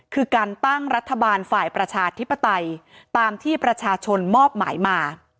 คือการตั้งรัฐบาลฝ่ายประชาธิปไตยตามที่ประชาชนมอบหมายมา